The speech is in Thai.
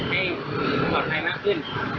ให้ปลอดภัยมากขึ้น